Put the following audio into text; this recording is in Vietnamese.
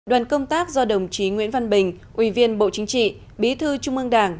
đoàn công tác do đồng chí nguyễn văn bình ủy viên bộ chính trị bí thư trung ương đảng